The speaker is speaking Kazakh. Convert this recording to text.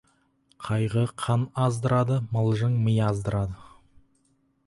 Қайғы қан аздырады, мылжың ми аздырады.